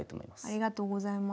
ありがとうございます。